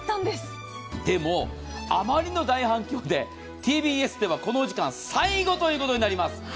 でも、あまりの大反響でＴＢＳではこのお時間、最後ということになります。